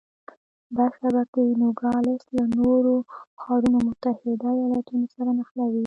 دا شبکې نوګالس له نورو ښارونو او متحده ایالتونو سره نښلوي.